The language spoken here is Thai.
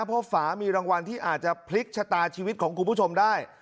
เพราะฝามีรางวัลที่อาจจะพลิกชะตาชีวิตของคุณผู้ชมได้